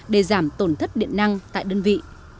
để giảm tổn thất điện năng tại đơn vị